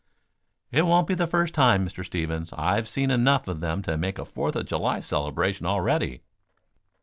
"It won't be the first time, Mr. Stevens. I've seen enough of them to make a Fourth of July celebration, already."